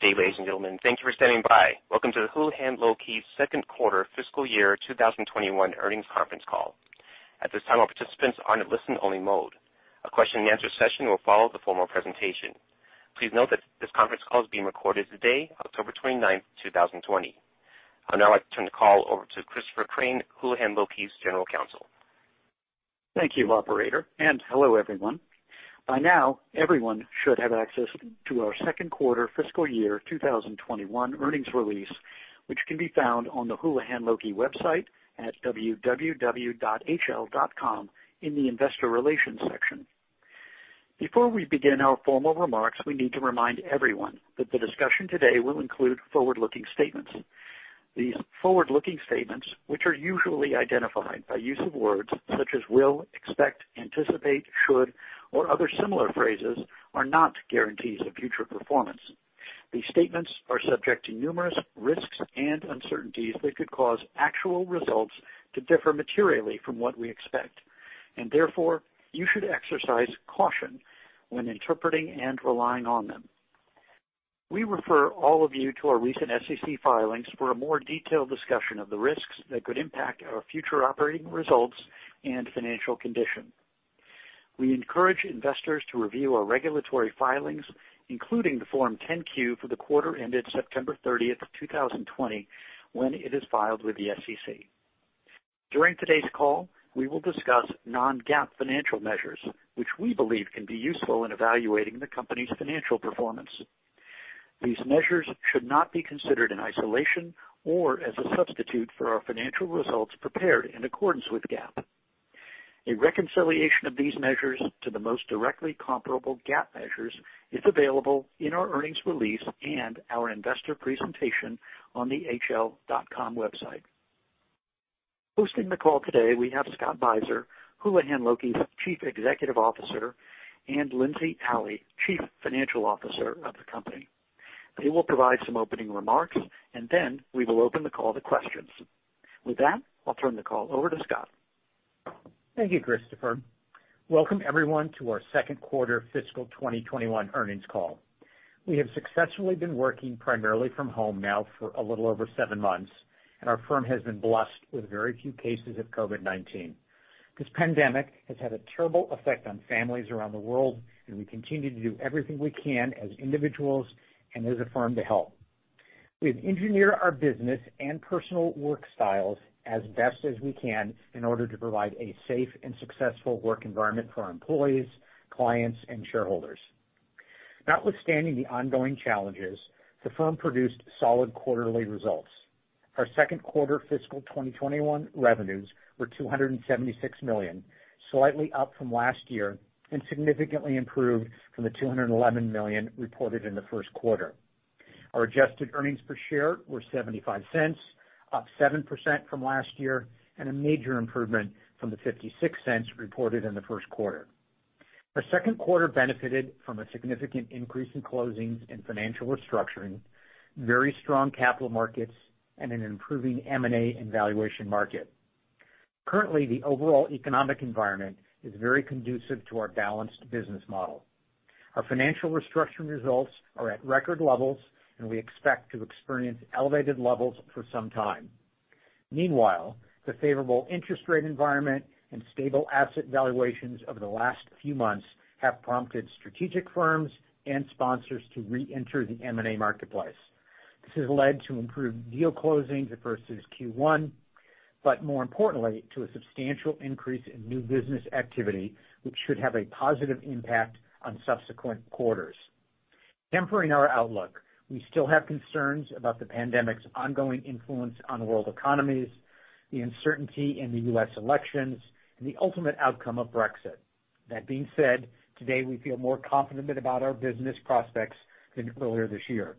Good day, ladies and gentlemen. Thank you for standing by. Welcome to the Houlihan Lokey second quarter fiscal year 2021 earnings conference call. At this time, all participants are in listen-only mode. A question and answer session will follow the formal presentation. Please note that this conference call is being recorded today, October 29th, 2020. I'd now like to turn the call over to Christopher Crain, Houlihan Lokey's General Counsel. Thank you, operator, and hello, everyone. By now, everyone should have access to our second quarter fiscal year 2021 earnings release, which can be found on the Houlihan Lokey website at www.hl.com in the investor relations section. Before we begin our formal remarks, we need to remind everyone that the discussion today will include forward-looking statements. These forward-looking statements, which are usually identified by use of words such as will, expect, anticipate, should, or other similar phrases, are not guarantees of future performance. These statements are subject to numerous risks and uncertainties that could cause actual results to differ materially from what we expect. Therefore, you should exercise caution when interpreting and relying on them. We refer all of you to our recent SEC filings for a more detailed discussion of the risks that could impact our future operating results and financial condition. We encourage investors to review our regulatory filings, including the Form 10-Q for the quarter ended September 30th, 2020, when it is filed with the SEC. During today's call, we will discuss non-GAAP financial measures, which we believe can be useful in evaluating the company's financial performance. These measures should not be considered in isolation or as a substitute for our financial results prepared in accordance with GAAP. A reconciliation of these measures to the most directly comparable GAAP measures is available in our earnings release and our investor presentation on the hl.com website. Hosting the call today, we have Scott Beiser, Houlihan Lokey's Chief Executive Officer, and Lindsey Alley, Chief Financial Officer of the company. They will provide some opening remarks, and then we will open the call to questions. With that, I'll turn the call over to Scott. Thank you, Christopher. Welcome, everyone, to our second quarter fiscal 2021 earnings call. We have successfully been working primarily from home now for a little over seven months, and our firm has been blessed with very few cases of COVID-19. This pandemic has had a terrible effect on families around the world, and we continue to do everything we can as individuals and as a firm to help. We've engineered our business and personal work styles as best as we can in order to provide a safe and successful work environment for our employees, clients, and shareholders. Notwithstanding the ongoing challenges, the firm produced solid quarterly results. Our second quarter fiscal 2021 revenues were $276 million, slightly up from last year, and significantly improved from the $211 million reported in the first quarter. Our adjusted earnings per share were $0.75, up 7% from last year, and a major improvement from the $0.56 reported in the first quarter. Our second quarter benefited from a significant increase in closings and Financial Restructuring, very strong capital markets, and an improving M&A and valuation market. Currently, the overall economic environment is very conducive to our balanced business model. Our Financial Restructuring results are at record levels, and we expect to experience elevated levels for some time. Meanwhile, the favorable interest rate environment and stable asset valuations over the last few months have prompted strategic firms and sponsors to re-enter the M&A marketplace. This has led to improved deal closings versus Q1, but more importantly, to a substantial increase in new business activity, which should have a positive impact on subsequent quarters. Tempering our outlook, we still have concerns about the pandemic's ongoing influence on world economies, the uncertainty in the U.S. elections, and the ultimate outcome of Brexit. That being said, today we feel more confident about our business prospects than earlier this year.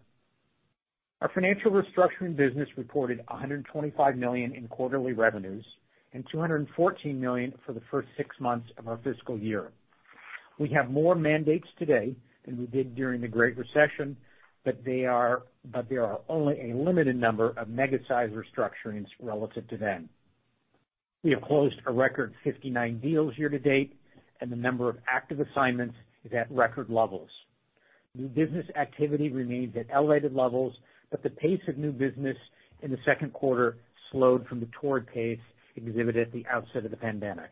Our Financial Restructuring business reported $125 million in quarterly revenues and $214 million for the first six months of our fiscal year. We have more mandates today than we did during the Great Recession. There are only a limited number of mega-size restructurings relative to then. We have closed a record 59 deals year-to-date, and the number of active assignments is at record levels. New business activity remains at elevated levels. The pace of new business in the second quarter slowed from the torrid pace exhibited at the outset of the pandemic.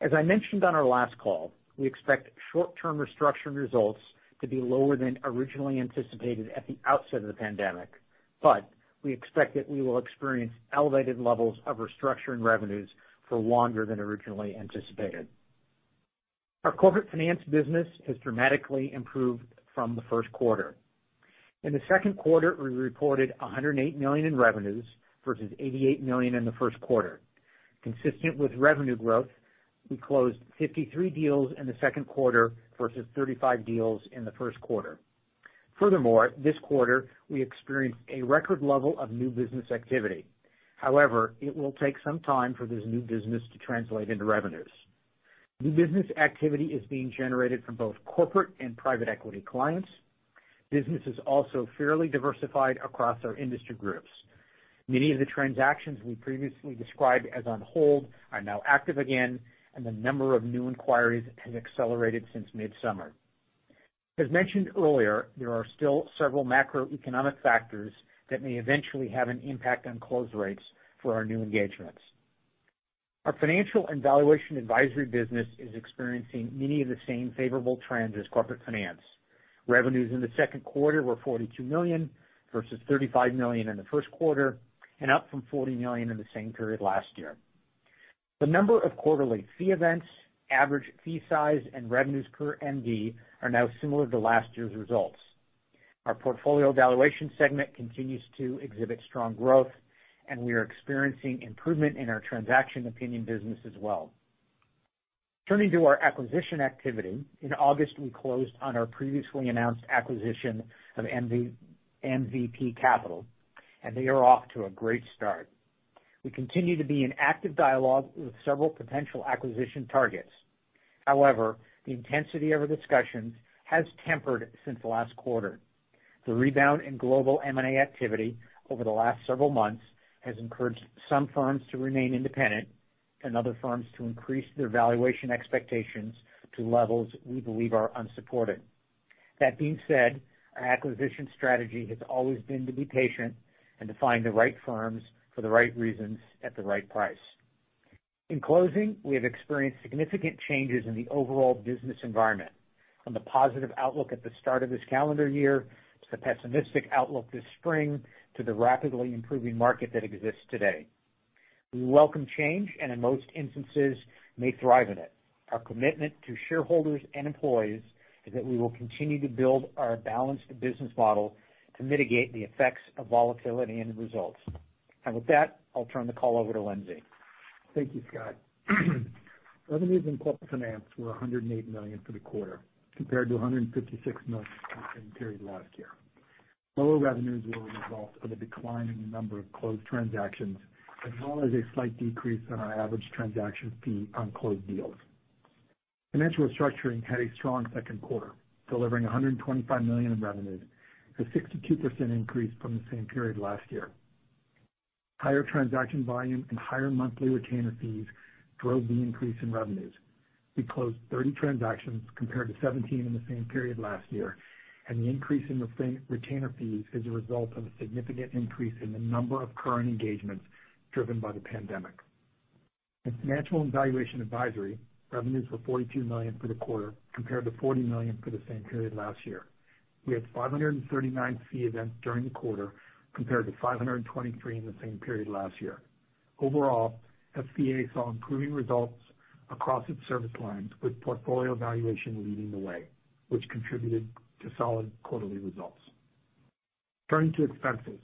As I mentioned on our last call, we expect short-term restructuring results to be lower than originally anticipated at the outset of the pandemic. We expect that we will experience elevated levels of restructuring revenues for longer than originally anticipated. Our Corporate Finance business has dramatically improved from the first quarter. In the second quarter, we reported $108 million in revenues versus $88 million in the first quarter. Consistent with revenue growth, we closed 53 deals in the second quarter versus 35 deals in the first quarter. Furthermore, this quarter, we experienced a record level of new business activity. However, it will take some time for this new business to translate into revenues. New business activity is being generated from both corporate and private equity clients. Business is also fairly diversified across our industry groups. Many of the transactions we previously described as on hold are now active again, and the number of new inquiries has accelerated since midsummer. As mentioned earlier, there are still several macroeconomic factors that may eventually have an impact on close rates for our new engagements. Our Financial and Valuation Advisory business is experiencing many of the same favorable trends as Corporate Finance. Revenues in the second quarter were $42 million, versus $35 million in the first quarter, and up from $40 million in the same period last year. The number of quarterly fee events, average fee size, and revenues per MD are now similar to last year's results. Our Portfolio Valuation Segment continues to exhibit strong growth, and we are experiencing improvement in our transaction opinion business as well. Turning to our acquisition activity. In August, we closed on our previously announced acquisition of MVP Capital, and they are off to a great start. We continue to be in active dialogue with several potential acquisition targets. However, the intensity of the discussions has tempered since last quarter. The rebound in global M&A activity over the last several months has encouraged some firms to remain independent and other firms to increase their valuation expectations to levels we believe are unsupported. That being said, our acquisition strategy has always been to be patient and to find the right firms for the right reasons at the right price. In closing, we have experienced significant changes in the overall business environment from the positive outlook at the start of this calendar year to the pessimistic outlook this spring to the rapidly improving market that exists today. We welcome change and in most instances may thrive in it. Our commitment to shareholders and employees is that we will continue to build our balanced business model to mitigate the effects of volatility and results. With that, I'll turn the call over to Lindsey. Thank you, Scott. Revenues in Corporate Finance were $108 million for the quarter, compared to $156 million in the same period last year. Lower revenues were a result of a decline in the number of closed transactions, as well as a slight decrease in our average transaction fee on closed deals. Financial Restructuring had a strong second quarter, delivering $125 million in revenues, a 62% increase from the same period last year. Higher transaction volume and higher monthly retainer fees drove the increase in revenues. We closed 30 transactions compared to 17 in the same period last year. The increase in retainer fees is a result of a significant increase in the number of current engagements driven by the pandemic. In Financial and Valuation Advisory, revenues were $42 million for the quarter, compared to $40 million for the same period last year. We had 539 fee events during the quarter, compared to 523 in the same period last year. Overall, FVA saw improving results across its service lines, with portfolio valuation leading the way, which contributed to solid quarterly results. Turning to expenses.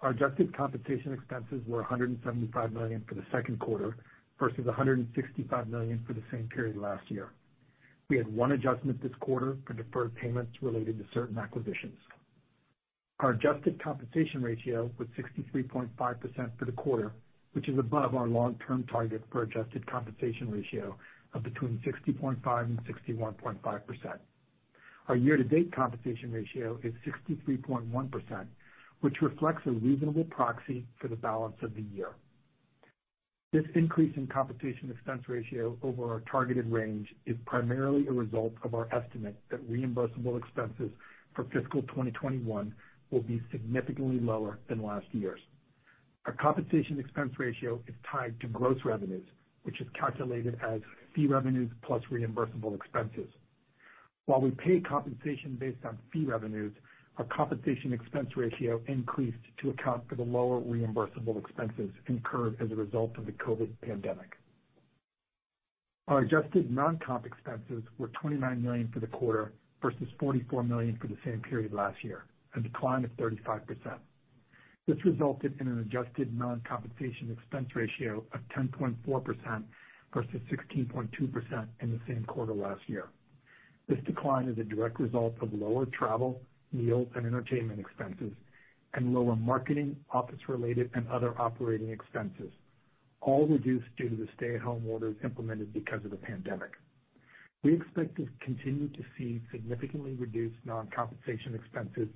Our adjusted compensation expenses were $175 million for the second quarter, versus $165 million for the same period last year. We had one adjustment this quarter for deferred payments related to certain acquisitions. Our adjusted compensation ratio was 63.5% for the quarter, which is above our long-term target for adjusted compensation ratio of between 60.5% and 61.5%. Our year-to-date compensation ratio is 63.1%, which reflects a reasonable proxy for the balance of the year. This increase in compensation expense ratio over our targeted range is primarily a result of our estimate that reimbursable expenses for fiscal 2021 will be significantly lower than last year's. Our compensation expense ratio is tied to gross revenues, which is calculated as fee revenues plus reimbursable expenses. While we pay compensation based on fee revenues, our compensation expense ratio increased to account for the lower reimbursable expenses incurred as a result of the COVID pandemic. Our adjusted non-comp expenses were $29 million for the quarter versus $44 million for the same period last year, a decline of 35%. This resulted in an adjusted non-compensation expense ratio of 10.4% versus 16.2% in the same quarter last year. This decline is a direct result of lower travel, meals, and entertainment expenses and lower marketing, office-related, and other operating expenses, all reduced due to the stay-at-home orders implemented because of the pandemic. We expect to continue to see significantly reduced non-compensation expenses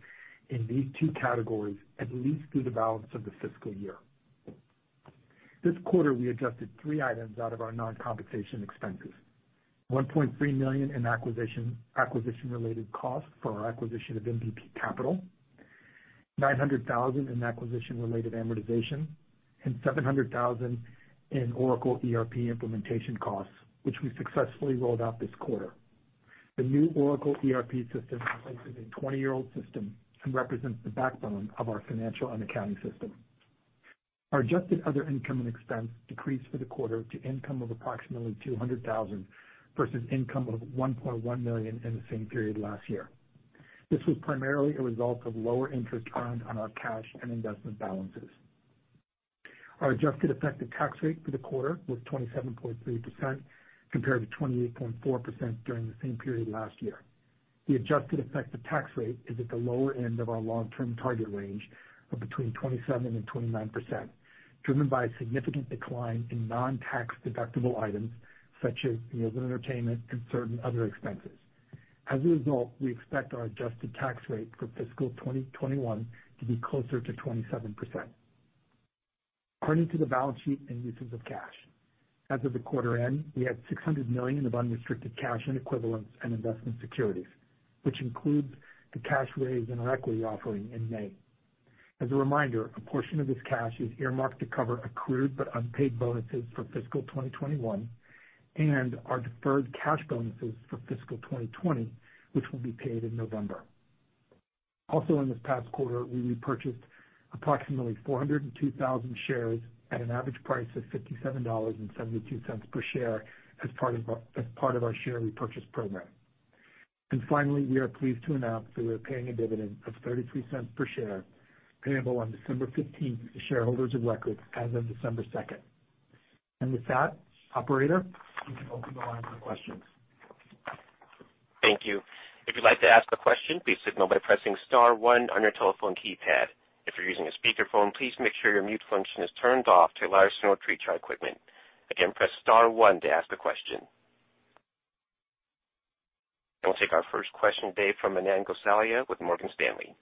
in these two categories at least through the balance of the fiscal year. This quarter, we adjusted three items out of our non-compensation expenses. $1.3 million in acquisition-related costs for our acquisition of MVP Capital, $900,000 in acquisition-related amortization, and $700,000 in Oracle ERP implementation costs, which we successfully rolled out this quarter. The new Oracle ERP system replaces a 20-year-old system and represents the backbone of our financial and accounting system. Our adjusted other income and expense decreased for the quarter to income of approximately $200,000 versus income of $1.1 million in the same period last year. This was primarily a result of lower interest earned on our cash and investment balances. Our adjusted effective tax rate for the quarter was 27.3%, compared to 28.4% during the same period last year. The adjusted effective tax rate is at the lower end of our long-term target range of between 27% and 29%, driven by a significant decline in non-tax deductible items such as meals and entertainment and certain other expenses. As a result, we expect our adjusted tax rate for fiscal 2021 to be closer to 27%. Turning to the balance sheet and uses of cash. As of the quarter end, we had $600 million of unrestricted cash equivalents and investment securities, which includes the cash raised in our equity offering in May. As a reminder, a portion of this cash is earmarked to cover accrued but unpaid bonuses for fiscal 2021 and our deferred cash bonuses for fiscal 2020, which will be paid in November. Also in this past quarter, we repurchased approximately 402,000 shares at an average price of $57.72 per share as part of our share repurchase program. Finally, we are pleased to announce that we are paying a dividend of $0.33 per share, payable on December 15th to shareholders of record as of December 2nd. With that, operator, you can open the line for questions. Thank you. If you'd like to ask a question, please signal by pressing star one on your telephone keypad. If you're using a speakerphone, please make sure your mute function is turned off to allow us to monitor our equipment. Again, press star one to ask a question. We'll take our first question today, from Manan Gosalia with Morgan Stanley.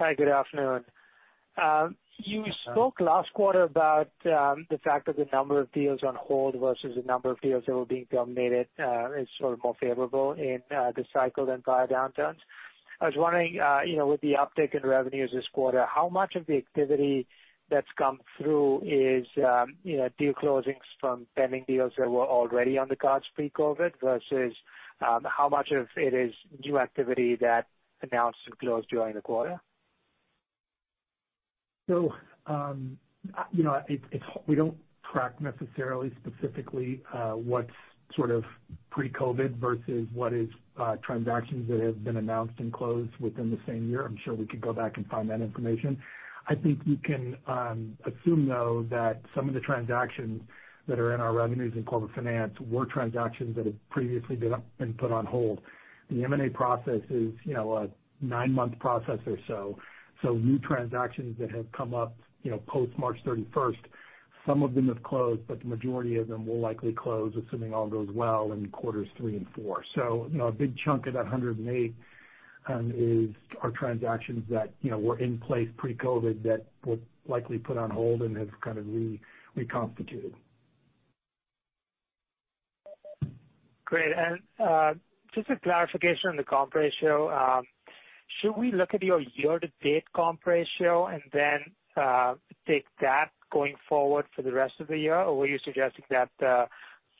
Hi, good afternoon. You spoke last quarter about the fact that the number of deals on hold versus the number of deals that were being terminated is sort of more favorable in this cycle than prior downturns. I was wondering, with the uptick in revenues this quarter, how much of the activity that's come through is deal closings from pending deals that were already on the cards pre-COVID, versus how much of it is new activity that announced and closed during the quarter? We don't track necessarily specifically what's sort of pre-COVID versus what is transactions that have been announced and closed within the same year. I'm sure we could go back and find that information. I think you can assume, though, that some of the transactions that are in our revenues in Corporate Finance were transactions that had previously been put on hold. The M&A process is a nine-month process or so. New transactions that have come up post March 31st, some of them have closed, but the majority of them will likely close, assuming all goes well, in quarters three and four. A big chunk of that 108 are transactions that were in place pre-COVID that were likely put on hold and have kind of reconstituted. Great. Just a clarification on the comp ratio. Should we look at your year-to-date comp ratio and then take that going forward for the rest of the year? Were you suggesting that the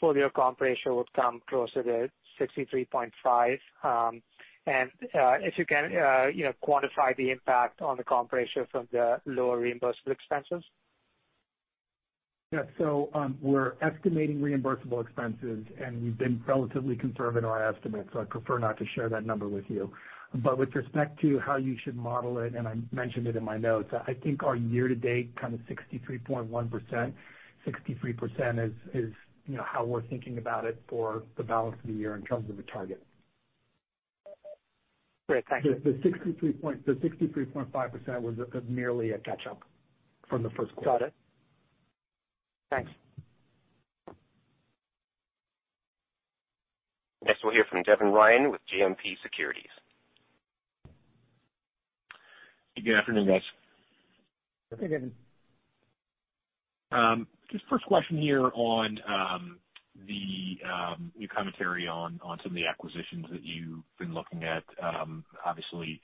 full-year comp ratio will come closer to 63.5%? If you can quantify the impact on the comp ratio from the lower reimbursable expenses. Yeah. We're estimating reimbursable expenses, and we've been relatively conservative in our estimates, so I'd prefer not to share that number with you. With respect to how you should model it, and I mentioned it in my notes, I think our year-to-date, kind of 63.1%, 63% is how we're thinking about it for the balance of the year in terms of a target. Great. Thank you. The 63.5% was merely a catch-up from the first quarter. Got it. Thanks. Next we'll hear from Devin Ryan with JMP Securities. Good afternoon, guys. Hey, Devin. Just first question here on your commentary on some of the acquisitions that you've been looking at. Obviously,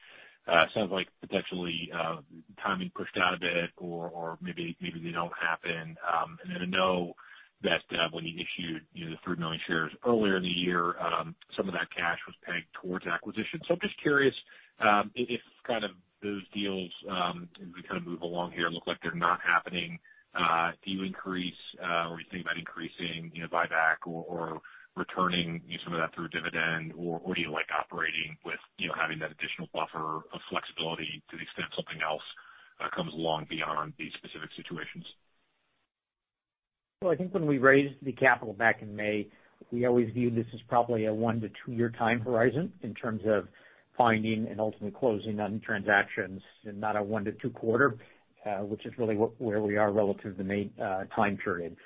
sounds like potentially timing pushed out a bit or maybe they don't happen. I know that when you issued the 3 million shares earlier in the year, some of that cash was pegged towards acquisitions. I'm just curious if kind of those deals, as we kind of move along here, look like they're not happening. Do you increase or are you thinking about increasing buyback or returning some of that through a dividend, or do you like operating with having that additional buffer of flexibility to the extent something else comes along beyond these specific situations? Well, I think when we raised the capital back in May, we always viewed this as probably a one to two-year time horizon in terms of finding and ultimately closing on transactions and not a one to two quarter, which is really where we are relative to the May time period.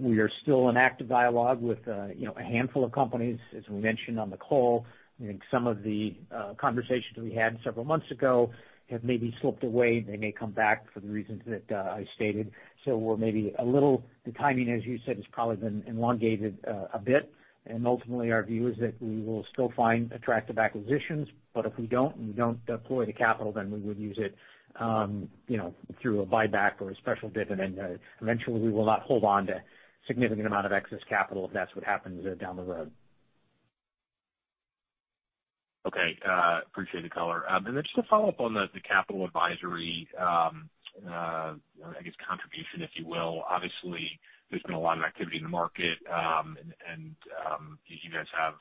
We are still in active dialogue with a handful of companies. As we mentioned on the call, I think some of the conversations we had several months ago have maybe slipped away. They may come back for the reasons that I stated. We're maybe the timing, as you said, has probably been elongated a bit. Ultimately our view is that we will still find attractive acquisitions, but if we don't deploy the capital, then we would use it through a buyback or a special dividend. Eventually, we will not hold on to a significant amount of excess capital if that's what happens down the road. Okay. Appreciate the color. Then just a follow-up on the capital advisory, I guess, contribution, if you will. Obviously, there's been a lot of activity in the market, and you guys have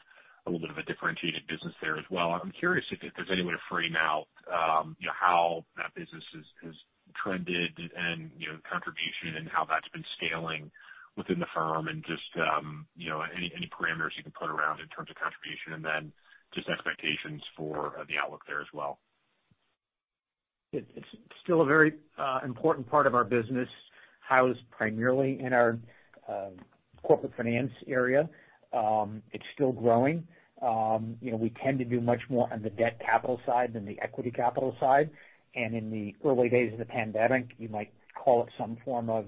a little bit of a differentiated business there as well. I'm curious if there's any way to frame out how that business has trended and contribution and how that's been scaling within the firm and just any parameters you can put around in terms of contribution and then just expectations for the outlook there as well? It's still a very important part of our business, housed primarily in our Corporate Finance area. It's still growing. We tend to do much more on the debt capital side than the equity capital side. In the early days of the pandemic, you might call it some form of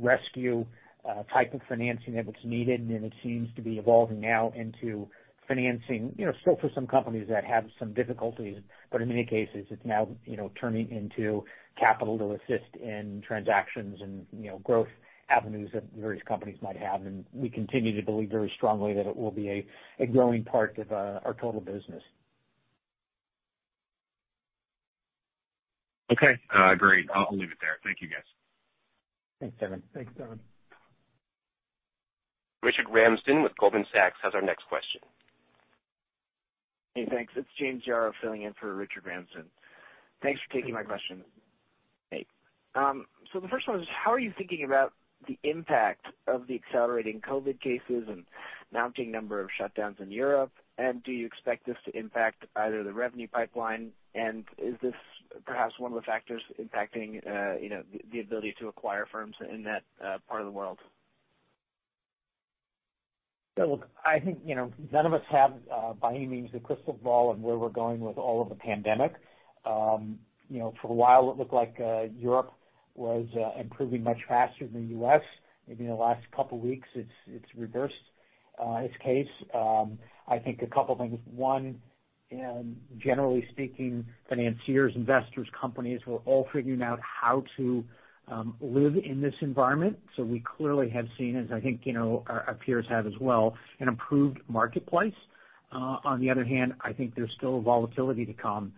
rescue type of financing that was needed, and it seems to be evolving now into financing still for some companies that have some difficulties. In many cases, it's now turning into capital to assist in transactions and growth avenues that various companies might have. We continue to believe very strongly that it will be a growing part of our total business. Okay. Great. I'll leave it there. Thank you, guys. Thanks, Devin. Thanks, Devin. Richard Ramsden with Goldman Sachs has our next question. Hey, thanks. It's James Yaro filling in for Richard Ramsden. Thanks for taking my question. The first one is, how are you thinking about the impact of the accelerating COVID cases and mounting number of shutdowns in Europe? Do you expect this to impact either the revenue pipeline? Is this perhaps one of the factors impacting the ability to acquire firms in that part of the world? Look, I think none of us have, by any means, a crystal ball of where we're going with all of the pandemic. For a while, it looked like Europe was improving much faster than the U.S. Maybe in the last couple of weeks, it's reversed its case. I think a couple things. One, generally speaking, financiers, investors, companies, we're all figuring out how to live in this environment. We clearly have seen, as I think our peers have as well, an improved marketplace. On the other hand, I think there's still a volatility to come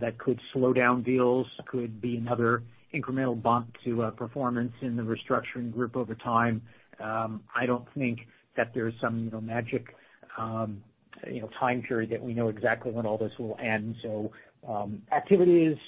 that could slow down deals, could be another incremental bump to performance in the Restructuring Group over time. I don't think that there's some magic time period that we know exactly when all this will end. Activity is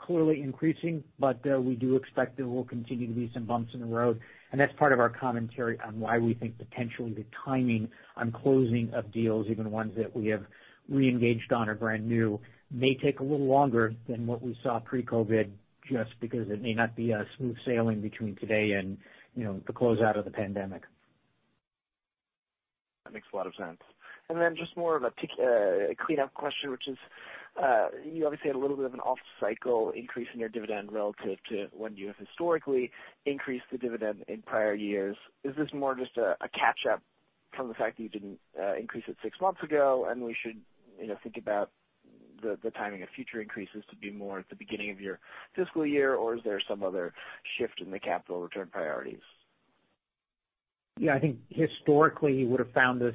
clearly increasing, but we do expect there will continue to be some bumps in the road. That's part of our commentary on why we think potentially the timing on closing of deals, even ones that we have reengaged on or brand new, may take a little longer than what we saw pre-COVID, just because it may not be smooth sailing between today and the closeout of the pandemic. That makes a lot of sense. Just more of a cleanup question, which is, you obviously had a little bit of an off-cycle increase in your dividend relative to when you have historically increased the dividend in prior years. Is this more just a catch up from the fact that you didn't increase it six months ago, and we should think about the timing of future increases to be more at the beginning of your fiscal year? Is there some other shift in the capital return priorities? Yeah, I think historically, you would have found us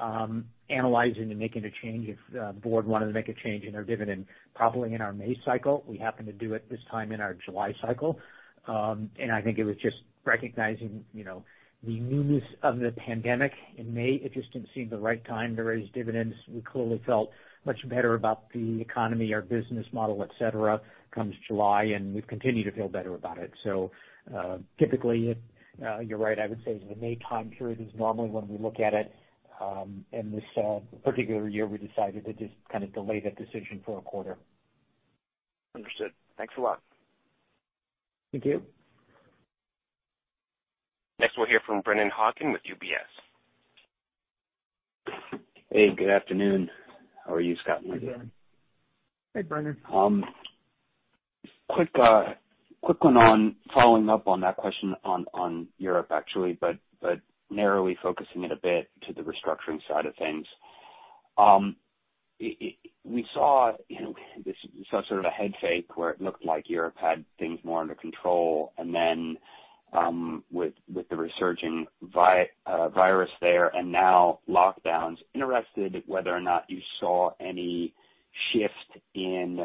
analyzing and making a change if the board wanted to make a change in our dividend, probably in our May cycle. We happened to do it this time in our July cycle. I think it was just recognizing the newness of the pandemic in May. It just didn't seem the right time to raise dividends. We clearly felt much better about the economy, our business model, et cetera, comes July, and we've continued to feel better about it. Typically, you're right. I would say the May time period is normally when we look at it. In this particular year, we decided to just delay that decision for a quarter. Understood. Thanks a lot. Thank you. Next, we'll hear from Brennan Hawken with UBS. Hey, good afternoon. How are you, Scott and Lindsey? Hey, Brennan. Quick one on following up on that question on Europe, actually, but narrowly focusing it a bit to the restructuring side of things. We saw this sort of a head fake where it looked like Europe had things more under control. And then with the resurging virus there and now lockdowns, interested whether or not you saw any shift in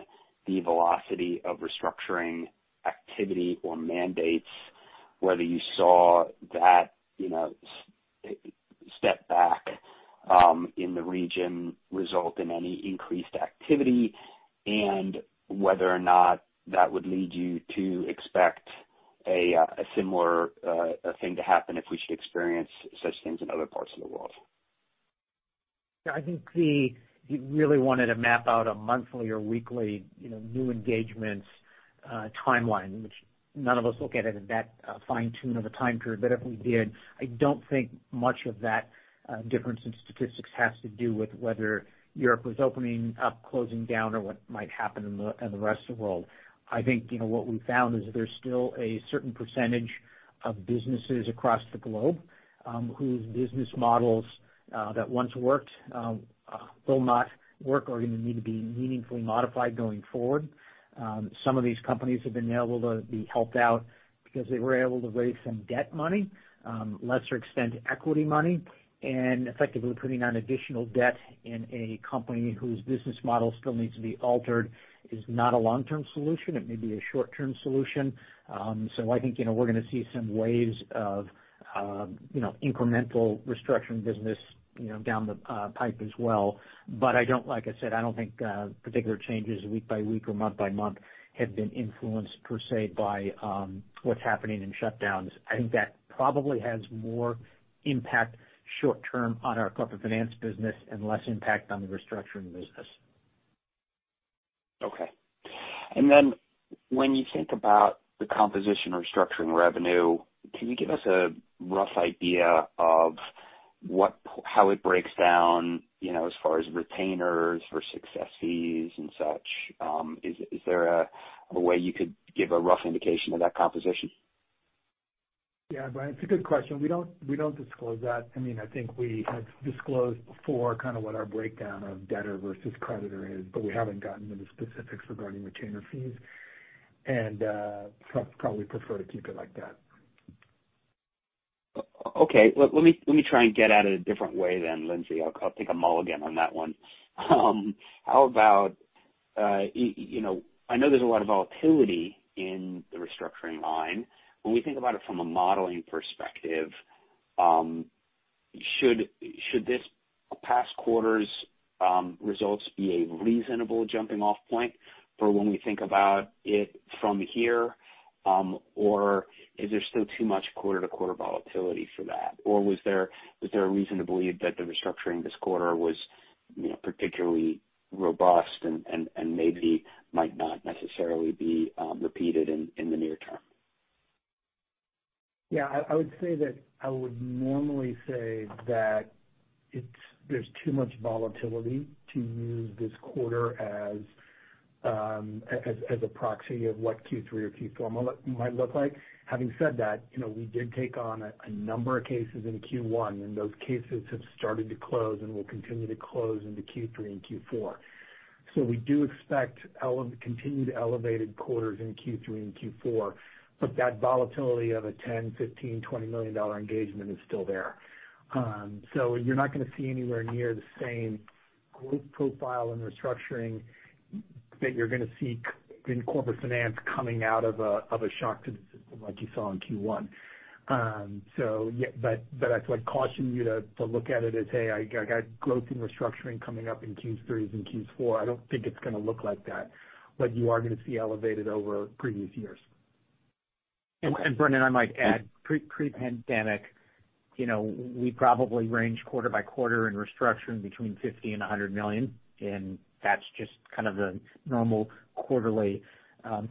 the velocity of restructuring activity or mandates, whether you saw that step back in the region result in any increased activity, and whether or not that would lead you to expect a similar thing to happen if we should experience such things in other parts of the world. I think you really wanted to map out a monthly or weekly new engagements timeline, which none of us look at it in that fine tune of a time period. If we did, I don't think much of that difference in statistics has to do with whether Europe was opening up, closing down, or what might happen in the rest of the world. I think what we found is there's still a certain percentage of businesses across the globe whose business models that once worked will not work, are going to need to be meaningfully modified going forward. Some of these companies have been able to be helped out because they were able to raise some debt money, lesser extent equity money, and effectively putting on additional debt in a company whose business model still needs to be altered is not a long-term solution. It may be a short-term solution. I think we're going to see some waves of incremental restructuring business down the pipe as well. Like I said, I don't think particular changes week by week or month by month have been influenced per se by what's happening in shutdowns. I think that probably has more impact short term on our Corporate Finance business and less impact on the Financial Restructuring business. Okay. When you think about the composition Restructuring revenue, can you give us a rough idea of how it breaks down as far as retainers versus success fees and such? Is there a way you could give a rough indication of that composition? Yeah. Brennan, it's a good question. We don't disclose that. I think we have disclosed before kind of what our breakdown of debtor versus creditor is, but we haven't gotten into specifics regarding retainer fees. Probably prefer to keep it like that. Let me try and get at it a different way, Lindsey. I'll take a mulligan on that one. I know there's a lot of volatility in the restructuring line. When we think about it from a modeling perspective, should this past quarter's results be a reasonable jumping off point for when we think about it from here? Is there still too much quarter-to-quarter volatility for that? Was there a reason to believe that the restructuring this quarter was particularly robust and maybe might not necessarily be repeated in the near term? I would normally say that there's too much volatility to use this quarter as a proxy of what Q3 or Q4 might look like. Having said that, we did take on a number of cases in Q1, and those cases have started to close and will continue to close into Q3 and Q4. We do expect continued elevated quarters in Q3 and Q4, but that volatility of a $10 million, $15 million, $20 million engagement is still there. You're not going to see anywhere near the same growth profile in Restructuring that you're going to see in Corporate Finance coming out of a shock to the system like you saw in Q1. I'd caution you to look at it as, hey, I got growth in Restructuring coming up in Q3 and Q4. I don't think it's going to look like that, but you are going to see elevated over previous years. Brennan, I might add, pre-pandemic we probably range quarter-by-quarter in restructuring between $50 million and $100 million. That's just kind of the normal quarterly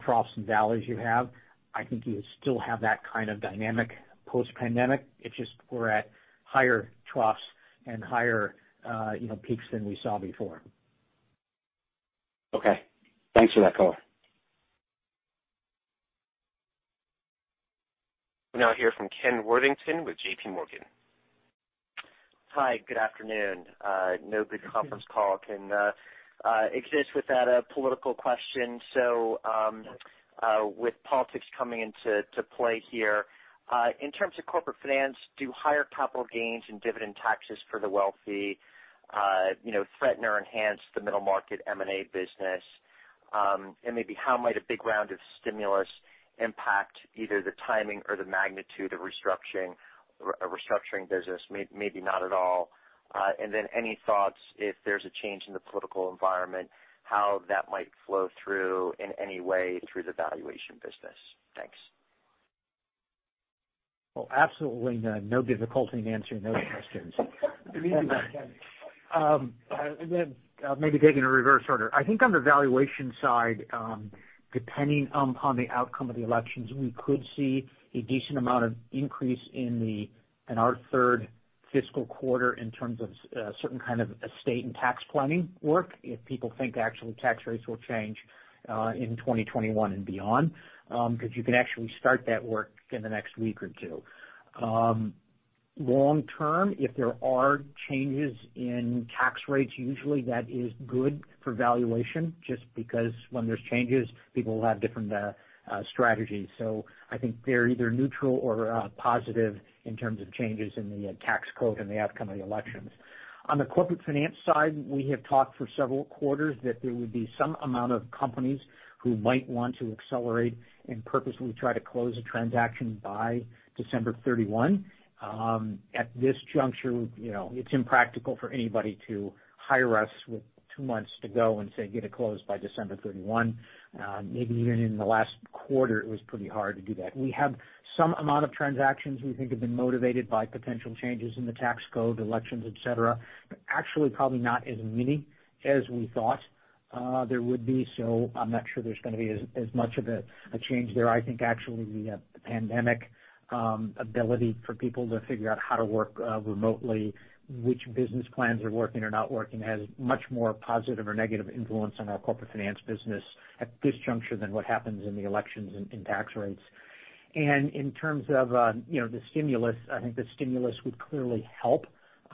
troughs and valleys you have. I think you still have that kind of dynamic post-pandemic. It's just we're at higher troughs and higher peaks than we saw before. Okay. Thanks for that color. We'll now hear from Ken Worthington with JPMorgan. Hi, good afternoon. No good conference call can exist without a political question. With politics coming into play here. In terms of Corporate Finance, do higher capital gains and dividend taxes for the wealthy threaten or enhance the middle market M&A business? Maybe how might a big round of stimulus impact either the timing or the magnitude of a restructuring business, maybe not at all? Any thoughts if there's a change in the political environment, how that might flow through in any way through the valuation business? Thanks. Oh, absolutely none. No difficulty in answering those questions. It's easy, Ken. Maybe taking in reverse order. I think on the valuation side, depending upon the outcome of the elections, we could see a decent amount of increase in our third fiscal quarter in terms of certain kind of estate and tax planning work if people think actually tax rates will change in 2021 and beyond. Because you can actually start that work in the next week or two. Longterm, if there are changes in tax rates, usually that is good for valuation just because when there's changes, people will have different strategies. I think they're either neutral or positive in terms of changes in the tax code and the outcome of the elections. On the Corporate Finance side, we have talked for several quarters that there would be some amount of companies who might want to accelerate and purposely try to close a transaction by December 31. At this juncture it's impractical for anybody to hire us with two months to go and say, "Get it closed by December 31." Maybe even in the last quarter it was pretty hard to do that. We have some amount of transactions we think have been motivated by potential changes in the tax code, elections, et cetera, but actually probably not as many as we thought there would be. I'm not sure there's going to be as much of a change there. I think actually the pandemic ability for people to figure out how to work remotely, which business plans are working or not working has much more positive or negative influence on our Corporate Finance business at this juncture than what happens in the elections in tax rates. In terms of the stimulus, I think the stimulus would clearly help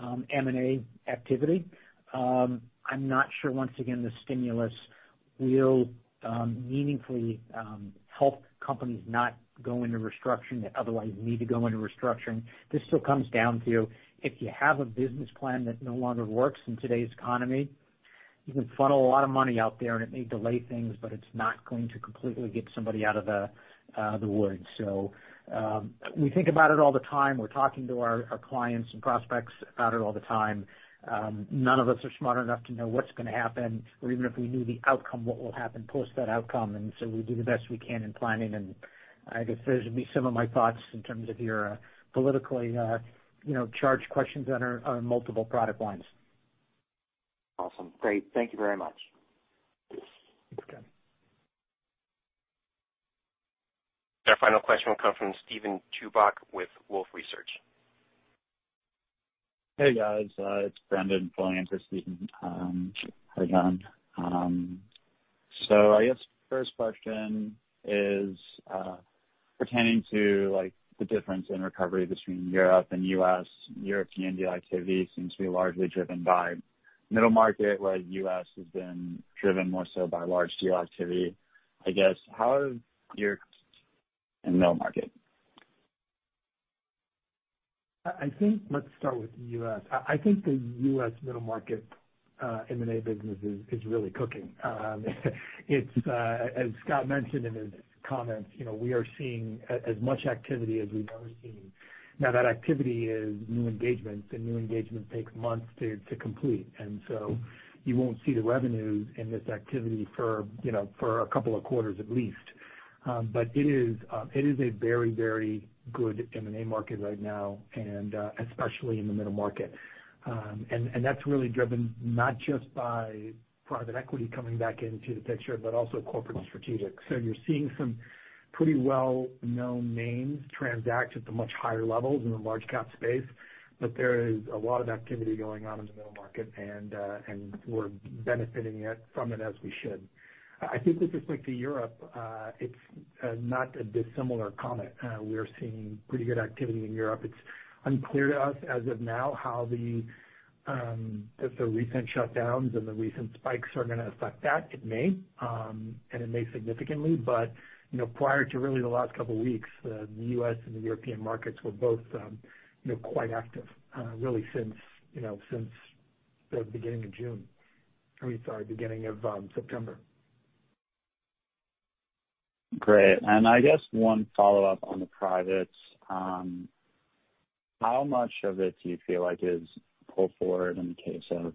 M&A activity. I'm not sure once again, the stimulus will meaningfully help companies not go into restructuring that otherwise need to go into restructuring. This still comes down to if you have a business plan that no longer works in today's economy. You can funnel a lot of money out there and it may delay things, it's not going to completely get somebody out of the woods. We think about it all the time. We're talking to our clients and prospects about it all the time. None of us are smart enough to know what's going to happen, or even if we knew the outcome, what will happen post that outcome. We do the best we can in planning, I guess those would be some of my thoughts in terms of your politically charged questions on our multiple product lines. Awesome. Great. Thank you very much. Thanks, Ken. Our final question will come from Steven Chubak with Wolfe Research. Hey, guys. It's Brendan filling in for Steven. How you doing? I guess first question is pertaining to the difference in recovery between Europe and the U.S. European deal activity seems to be largely driven by middle market, whereas the U.S. has been driven more so by large deal activity, [I guess. How is your M&A market?] I think, let's start with U.S. I think the U.S. middle market M&A business is really cooking. As Scott mentioned in his comments, we are seeing as much activity as we've ever seen. Now that activity is new engagements, and new engagements take months to complete. You won't see the revenues in this activity for a couple of quarters at least. It is a very good M&A market right now, and especially in the middle market. That's really driven not just by private equity coming back into the picture, but also corporate strategic. You're seeing some pretty well-known names transact at the much higher levels in the large cap space. There is a lot of activity going on in the middle market, and we're benefiting from it, as we should. I think with respect to Europe, it's not a dissimilar comment. We're seeing pretty good activity in Europe. It's unclear to us as of now if the recent shutdowns and the recent spikes are going to affect that. It may, and it may significantly. Prior to really the last couple weeks, the U.S. and the European markets were both quite active really since the beginning of June. I mean, sorry, beginning of September. Great. I guess one follow-up on the privates. How much of it do you feel like is pulled forward in case of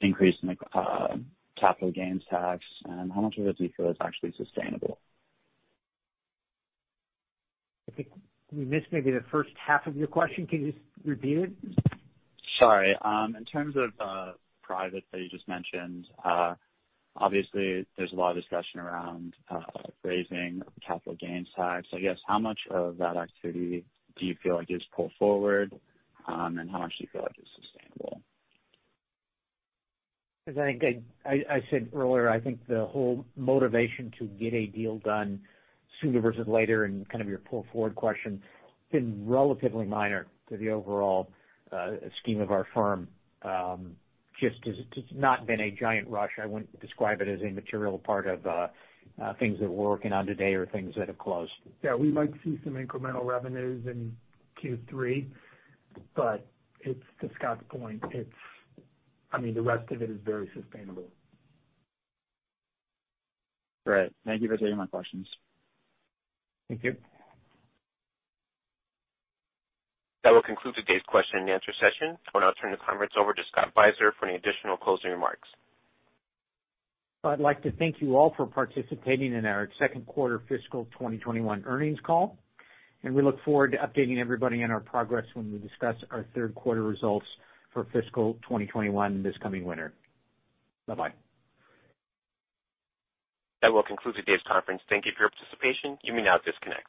increase in capital gains tax, and how much of it do you feel is actually sustainable? I think we missed maybe the first half of your question. Can you just repeat it? Sorry. In terms of privates that you just mentioned, obviously there's a lot of discussion around raising capital gains tax. I guess how much of that activity do you feel like is pulled forward, and how much do you feel like is sustainable? I think I said earlier, I think the whole motivation to get a deal done sooner versus later and kind of your pull forward question, been relatively minor to the overall scheme of our firm. Just has not been a giant rush. I wouldn't describe it as a material part of things that we're working on today or things that have closed. Yeah, we might see some incremental revenues in Q3, but to Scott's point, the rest of it is very sustainable. Great. Thank you for taking my questions. Thank you. That will conclude today's question and answer session. I'll now turn the conference over to Scott Beiser for any additional closing remarks. I'd like to thank you all for participating in our second quarter fiscal 2021 earnings call. We look forward to updating everybody on our progress when we discuss our third quarter results for fiscal 2021 this coming winter. Bye-bye. That will conclude today's conference. Thank you for your participation. You may now disconnect.